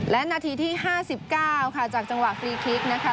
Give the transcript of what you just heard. และนาทีที่๕๙ค่ะจากจังหวะฟรีคลิกนะคะ